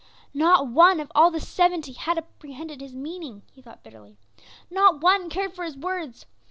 Not one of all the seventy had apprehended his meaning, he thought bitterly. Not one cared for his words.